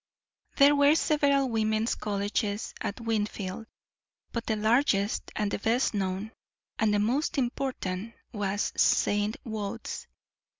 There were several women's colleges at Wingfield, but the largest and the best known, and the most important, was St. Wode's.